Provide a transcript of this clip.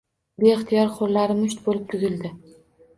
Beixtiyor qo`llari musht bo`lib tugildi